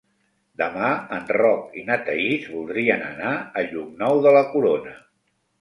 Demà en Roc i na Thaís voldrien anar a Llocnou de la Corona.